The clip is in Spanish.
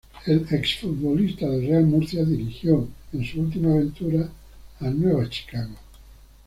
El ex futbolista del Real Murcia dirigió en su última aventura a Nueva Chicago.